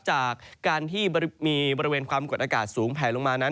จากการที่มีบริเวณความกดอากาศสูงแผลลงมานั้น